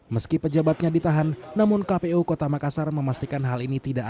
meski pejabatnya ditahan namun kpu kota makassar memastikan hal ini tidak ada